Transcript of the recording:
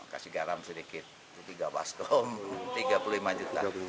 kasih garam sedikit tiga waskom tiga puluh lima juta